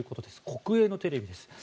国営のテレビです。